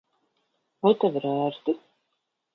Vai tev ir ērti?